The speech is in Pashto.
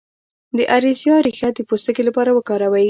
د اریسا ریښه د پوستکي لپاره وکاروئ